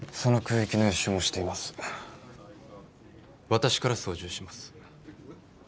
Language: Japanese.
私から操縦します。